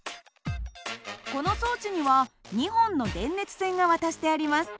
この装置には２本の電熱線が渡してあります。